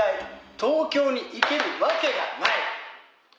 東京に行けるわけがない！